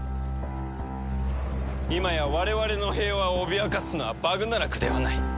今や我々の平和を脅かすのはバグナラクではない。